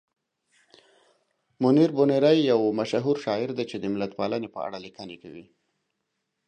منیر بونیری یو مشهور شاعر دی چې د ملتپالنې په اړه لیکنې کوي.